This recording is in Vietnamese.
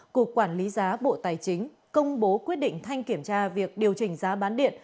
cục quản lý giá bộ tài chính công bố quyết định thanh kiểm tra việc điều chỉnh giá bán điện